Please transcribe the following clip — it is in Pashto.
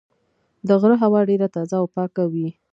د غره هوا ډېره تازه او پاکه وي.